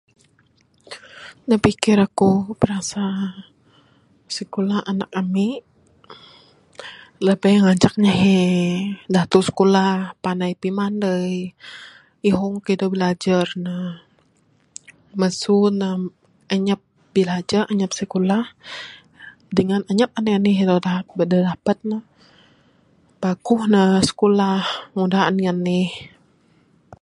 Da pikir aku berasa sikulah anak ami lebih ngancak ne he datuh skulah panai pimanai ihong kayuh da bilajar ne, masu ne anyap bilajar anyap sikulah dangan anyap anih anih da dapat ne paguh ne sikulah ngundah anih anih.